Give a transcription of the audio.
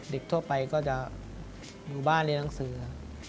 ทั่วไปก็จะอยู่บ้านเรียนหนังสือ